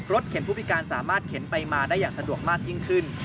เข็นผู้พิการสามารถเข็นไปมาได้อย่างสะดวกมากยิ่งขึ้น